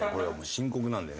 深刻なんで。